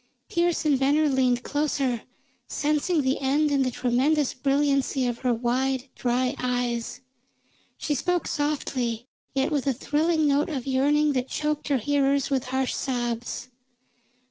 Pearse and Venner leaned closer, sensing the end in the tremendous brilliancy of her wide, dry eyes. She spoke softly, yet with a thrilling note of yearning that choked her hearers with harsh sobs.